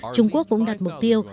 trung quốc cũng đặt mục tiêu